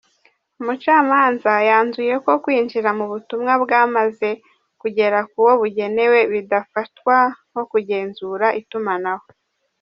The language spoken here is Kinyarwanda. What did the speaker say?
Umucamanza yanzuye ko Kwinjira mu butumwa bwamaze kugera kuwo bugenewe bitafatwa nko kugenzura itumanaho.